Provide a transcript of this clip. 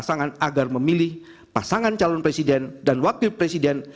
pasangan agar memilih pasangan calon presiden dan wakil presiden